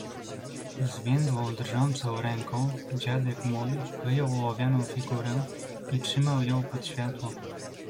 "Zwiędłą drżącą ręką dziadek mój wyjął ołowianą figurę i trzymał ją pod światło."